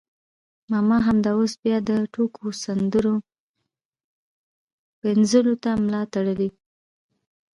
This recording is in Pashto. ماما همدا اوس بیا د ټوکو سندرو پنځولو ته ملا تړلې.